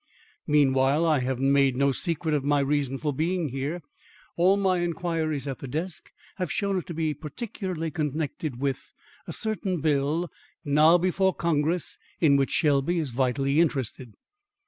Meanwhile, I have made no secret of my reason for being here. All my inquiries at the desk have shown it to be particularly connected with a certain bill now before Congress, in which Shelby is vitally interested.